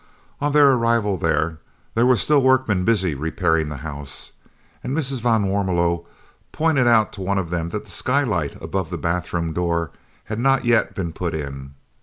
On their arrival, there were still workmen busy repairing the house, and Mrs. van Warmelo pointed out to one of them that the skylight above the bathroom door had not yet been put in.